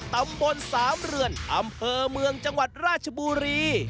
ตำบลสามเรือนอำเภอเมืองจังหวัดราชบุรี